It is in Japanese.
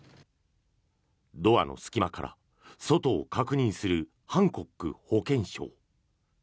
ドアの隙間から外を確認するハンコック保健相。